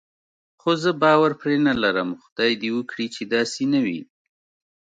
خو زه باور پرې نه لرم، خدای دې وکړي چې داسې نه وي.